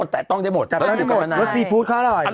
แต่ต้องได้หมดกราบน้ำไลน์แล้วซีฟู้ดค่ะอร่อย